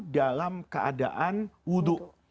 dalam keadaan hudu